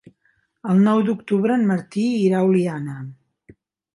El nou d'octubre en Martí irà a Oliana.